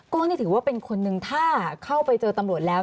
ก็นี่ถือว่าเป็นคนหนึ่งถ้าเข้าไปเจอตำรวจแล้ว